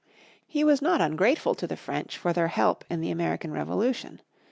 He was not ungrateful to the French for their help in the American Revolution.